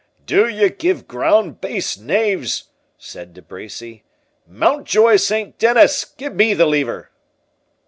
"Do you give ground, base knaves!" said De Bracy; "'Mount joye Saint Dennis!'—Give me the lever!"